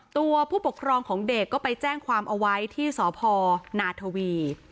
ตัวผู้ปกครองของเด็กก็ไปแจ้งความเอาไว้ที่สพนาทวี